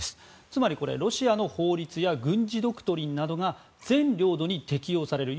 つまり、ロシアの法律や軍事ドクトリンなどが全領土に適用される。